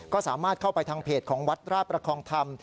ก็สามารถเข้าไปทางเพจของวัดราชประคองธรรม